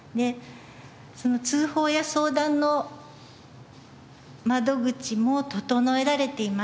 その通報や相談の窓口も整えられていました。